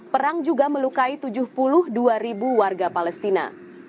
perang juga melukai tujuh puluh dua ribu warga palestina